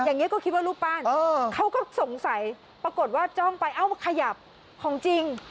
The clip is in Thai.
อย่างนี้ก็คิดว่ารูปปั้นเขาก็สงสัยปรากฏว่าจ้องไปเอ้ามาขยับของจริง